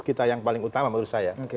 kita yang paling utama menurut saya